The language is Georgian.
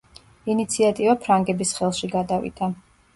ინიციატივა ფრანგების ხელში გადავიდა.